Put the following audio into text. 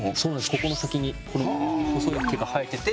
ここの先にこの細い毛が生えてて。